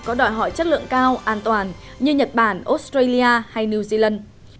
có đòi hỏi chất lượng cao an toàn như nhật bản australia hay new zealand